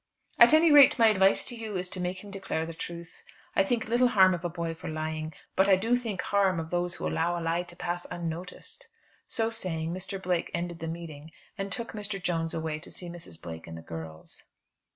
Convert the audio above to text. "At any rate my advice to you is to make him declare the truth. I think little harm of a boy for lying, but I do think harm of those who allow a lie to pass unnoticed." So saying Mr. Blake ended the meeting, and took Mr. Jones away to see Mrs. Blake and the girls.